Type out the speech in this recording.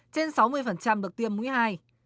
trên sáu mươi được tiêm mũi hai